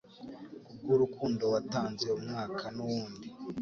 Kubwurukundo watanze umwaka nuwundi